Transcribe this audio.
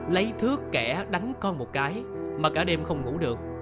lấy thước kẻ đánh con một cái mà cả đêm không ngủ được